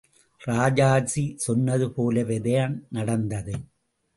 ராஜாஜி சொன்னது போலவேதான் நடந்தது.